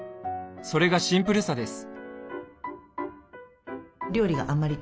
それがシンプルさです。